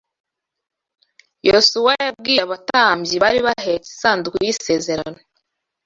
Yosuwa yabwiye abatambyi bari bahetse isanduku y’isezerano